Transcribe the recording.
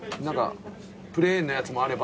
プレーンのやつもあれば。